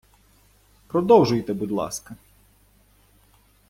продовжуйте, будь ласка!